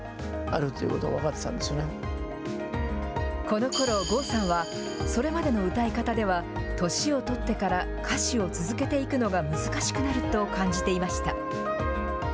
このころ、郷さんはそれまでの歌い方では、年を取ってから歌手を続けていくのが難しくなると感じていました。